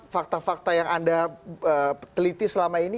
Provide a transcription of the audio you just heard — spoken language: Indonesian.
fakta fakta yang anda teliti selama ini